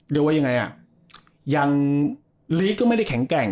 เรียกว่ายังไงอ่ะยังลีกก็ไม่ได้แข็งแกร่ง